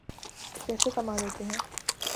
کیسے کما لیتے ہیں؟